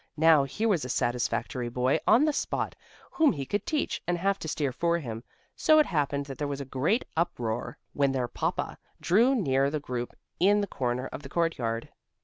Now here was a satisfactory boy, on the spot, whom he could teach, and have to steer for him. So it happened that there was a great uproar when their Papa drew near the group in the corner of the courtyard.